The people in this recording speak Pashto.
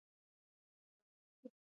افغانستان د د کلیزو منظره له پلوه متنوع دی.